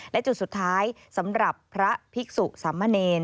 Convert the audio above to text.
และจุดสุดท้ายสำหรับพระภิกษุสมเนร